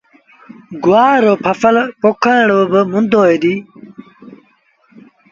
گُوآر ري ڦسل پوکڻ ريٚ با مند هوئي ديٚ۔